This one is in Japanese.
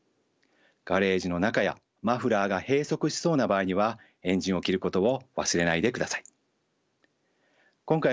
ガレージの中やマフラーが閉塞しそうな場合にはエンジンを切ることを忘れないでください。